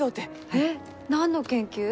えっ何の研究？